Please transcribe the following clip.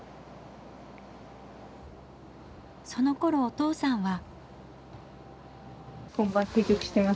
そのころお父さんは。